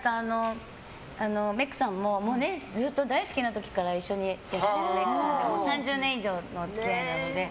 メイクさんも、ずっと「ＤＡＩＳＵＫＩ！」の時から一緒にやってるメイクさんで３０年以上の付き合いなので。